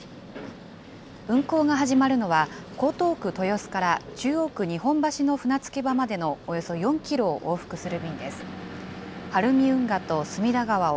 運航が始まるのは、江東区豊洲から中央区日本橋の船着き場までのおよそ４キロを往復する便です。